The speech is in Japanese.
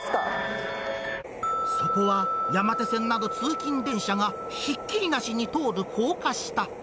そこは山手線など、通勤電車がひっきりなしに通る高架下。